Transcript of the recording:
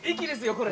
これ。